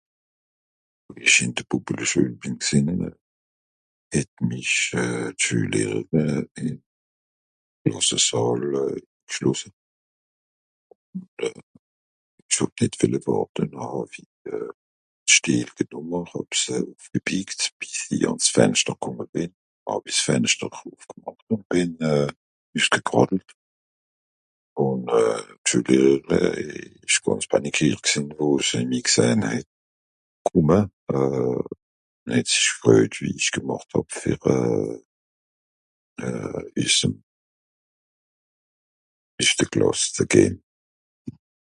Wie ìch ìn de Bùbbeleschüel bìn gsìnn het mich euh d'Schüellehrere (...) Sàll gschlosse. Ìch hàb nìt wìlle wàrte noh hàw-i (...) bìs i àn's Fenschter kùmme bìn. Hàw-i s'Fenschter ùffgemàcht ùn bìn üssgekràllt. Ùn euh... d'Schüellehrere ìsch gànz Panikìert gsìnn wo se mìr gsehn het. Kùmme euh... het sich gfröjt wie ìch gemàcht hàb fer euh... euh... üssem, üss de Klàss ze gehn.